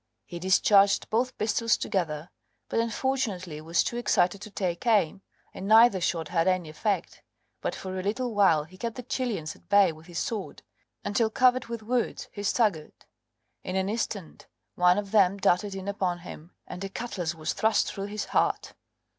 He discharged both pistols together, but unfortunately was too excited to take aim, and neither shot had any effect, but for a little while he kept the Chilians at bay with his sword, until covered with wounds he staggered; in an instant one of them darted in upon him, and a cutlass was thrust through his heart.